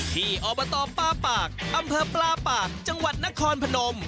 อบตปลาปากอำเภอปลาปากจังหวัดนครพนม